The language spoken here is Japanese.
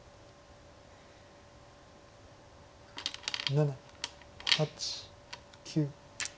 ７８９。